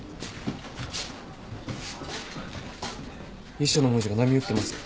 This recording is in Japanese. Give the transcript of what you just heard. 遺書の文字が波打ってます。